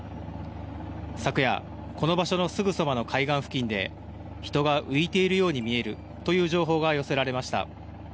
昨夜、この場所のすぐそばの海岸付近で、人が浮いているように見えるという情報が寄せられました。